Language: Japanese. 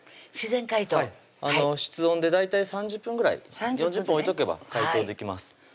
自然解凍室温で大体３０分ぐらい４０分置いとけば解凍できます